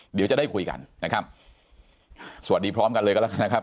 เดี๋ยวจะได้คุยกันนะครับสวัสดีพร้อมกันเลยก็แล้วกันนะครับ